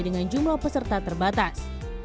semua peserta terbatas